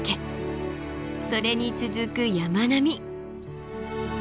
それに続く山並み。